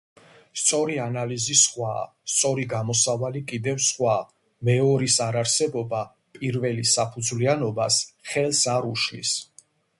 სწორი ანალიზი სხვაა, სწორი გამოსავალი კიდევ სხვა, მეორის არარსებობა პირველის საფუძვლიანობას ხელს არ უშლის